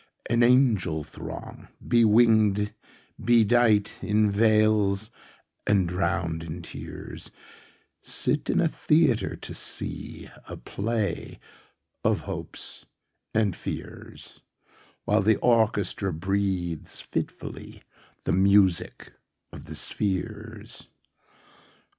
An angel throng, bewinged, bedightIn veils, and drowned in tears, Sit in a theatre, to seeA play of hopes and fears, While the orchestra breathes fitfullyThe music of the spheres.